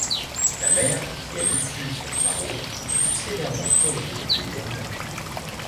La mère, si elle eût su cette maraude, eût sévèrement corrigé les délinquants.